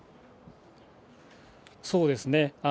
そうですね。